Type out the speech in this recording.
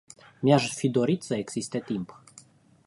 Mi-aș fi dorit să existe timp.